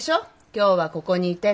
今日はここにいてって。